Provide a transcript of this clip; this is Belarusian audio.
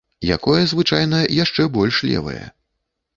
Якое звычайна яшчэ больш левае.